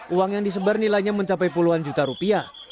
uang yang disebar nilainya mencapai puluhan juta rupiah